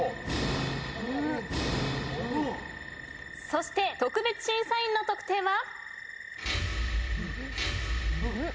そして特別審査員の得点は？